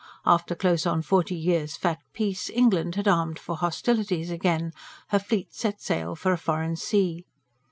After close on forty years' fat peace, England had armed for hostilities again, her fleet set sail for a foreign sea.